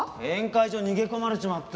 宴会場に逃げ込まれちまったよ。